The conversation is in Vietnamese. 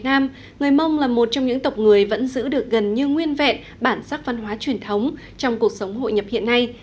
người mông là một trong những tộc người vẫn giữ được gần như nguyên vẹn bản sắc văn hóa truyền thống trong cuộc sống hội nhập hiện nay